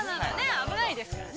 ◆危ないですからね。